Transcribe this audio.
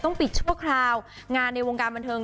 ปิดชั่วคราวงานในวงการบันเทิง